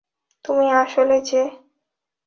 তুমি আসলে যে?